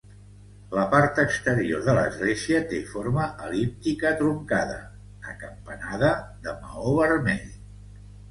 La part exterior de l'església té forma el·líptica truncada, acampanada, de maó vermell.